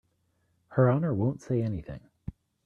Her Honor won't say anything.